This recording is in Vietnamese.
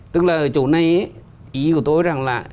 tức là ở chỗ này ý của tôi rằng là